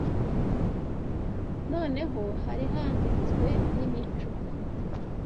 noneho hari handitswe n’imico